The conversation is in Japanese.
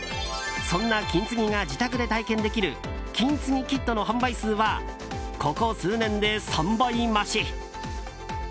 そんな金継ぎが自宅で体験できる金継ぎキットの販売数はここ数年で３倍増し。